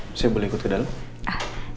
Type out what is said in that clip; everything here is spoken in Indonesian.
saya boleh ikut ke dalam